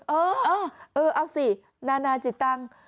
เออเอาสินานาจิตัง